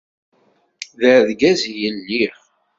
D argaz i lliɣ.